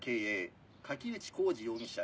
垣内浩二容疑者